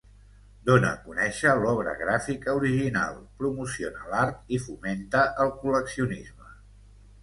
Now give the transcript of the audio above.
Dona a conèixer l'obra gràfica original, promociona l'art i fomenta el col·leccionisme.